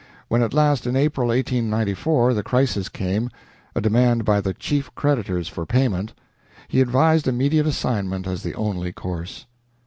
When, at last, in April, 1894, the crisis came a demand by the chief creditors for payment he advised immediate assignment as the only course.